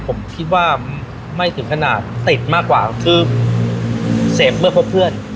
ผมคิดว่าไม่ถึงขนาดติดมากกว่าคือเสพเมื่อพบเพื่อน